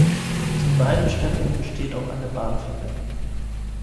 Zu beiden Städten besteht auch eine Bahnverbindung.